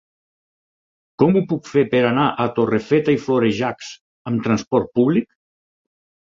Com ho puc fer per anar a Torrefeta i Florejacs amb trasport públic?